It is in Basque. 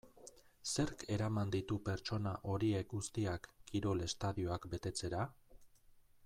Zerk eraman ditu pertsona horiek guztiak kirol estadioak betetzera?